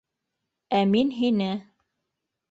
— Ә мин һине